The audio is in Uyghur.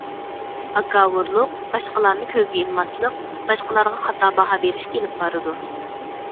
ھاكاۋۇرلۇق، باشقىلارنى كۆزگە ئىلماسلىق باشقىلارغا خاتا باھا بېرىشكە ئېلىپ بارىدۇ.